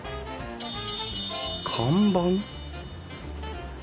看板？